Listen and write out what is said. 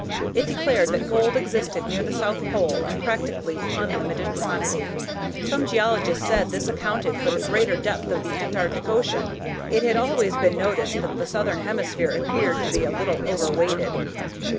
It declared that gold existed near the south pole in practically unlimited quantity. Some geologists said this accounted for the greater depth of the Antarctic Ocean. It had always been noticed that the southern hemisphere appeared to be a little overweighted.